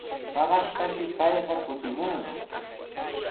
Paqaspashi payqa kutimunqa.